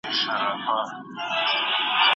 ایا نوي کروندګر خندان پسته خرڅوي؟